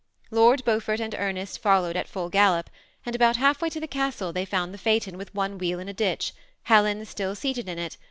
Lord Beau fort and Ernest followed at full gallop, and about half way to the castle they found the phaeton with one wheel in a ditch, Helen still seated in it.